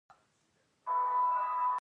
• لور د خوښۍ زېری دی.